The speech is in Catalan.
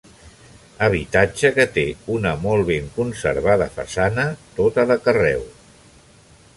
Habitatge que té una molt ben conservada façana, tota de carreu.